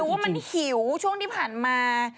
ว่ามันหิวช่วงที่ผ่านมา